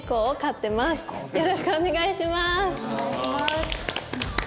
よろしくお願いします！